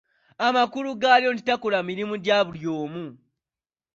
Amakulu gaalyo nti takola mirimu gya buli omu.